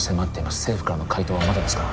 政府からの回答はまだですか？